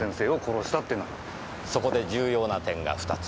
そこで重要な点が２つ。